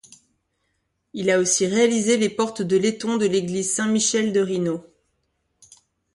Il a aussi réalisé les portes de laiton de l'église Saint-Michel de Rhinau.